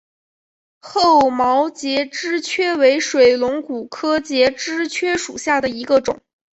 厚毛节肢蕨为水龙骨科节肢蕨属下的一个种。